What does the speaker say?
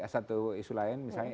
satu isu lain misalnya